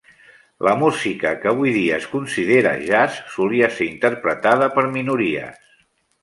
La música que avui dia es considera "jazz" solia ser interpretada per minories.